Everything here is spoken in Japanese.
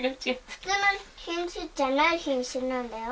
普通の品種じゃない品種なんだよ。